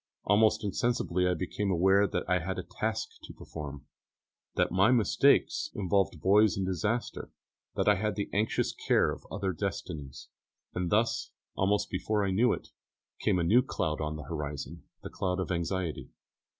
Almost insensibly I became aware that I had a task to perform, that my mistakes involved boys in disaster, that I had the anxious care of other destinies; and thus, almost before I knew it, came a new cloud on the horizon, the cloud of anxiety.